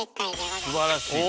すばらしい。